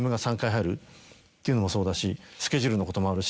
っていうのもそうだしスケジュールのこともあるし。